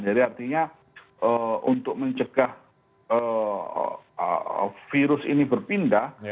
jadi artinya untuk mencegah virus ini berpindah